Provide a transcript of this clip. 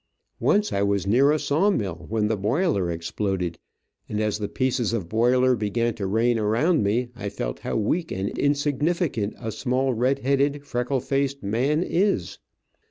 Once I was near a saw mill when the boiler exploded, and as the pieces of boiler began to rain around me, I felt how weak and insignificant a small, red headed, freckled faced man is.